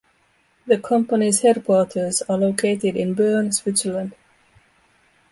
The company's headquarters are located in Bern, Switzerland.